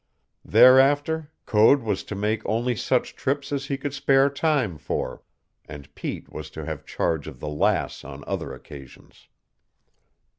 Thereafter Code was to make only such trips as he could spare time for, and Pete was to have charge of the Lass on other occasions.